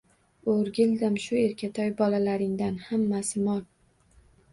O`rgildim shu erkatoy bolalaringdan, hammasi mol